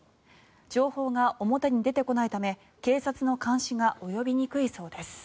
情報が表に出てこないため警察の監視が及びにくいそうです。